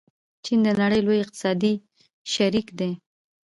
چین د نړۍ لوی اقتصادي شریک دی.